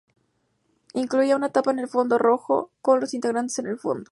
Incluía una tapa en un fondo rojo con los integrantes en el fondo.